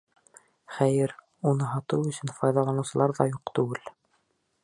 Хәйер, уны һатыу өсөн файҙаланыусылар ҙа юҡ түгел.